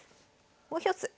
もう一つ。